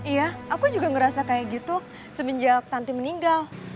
iya aku juga ngerasa kayak gitu semenjak tanti meninggal